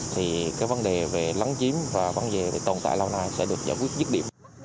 thì cái vấn đề về lấn chiếm và vấn đề thì tồn tại lâu nay sẽ được giải quyết dứt điểm